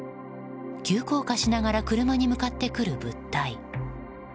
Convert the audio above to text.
急降下しながら車に向かってくる物体。